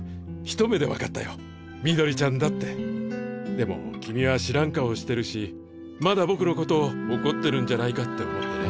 でも君は知らん顔してるしまだぼくのことをおこってるんじゃないかって思ってね。